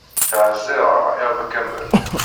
Ttɛeẓẓireɣ iḍ kamel.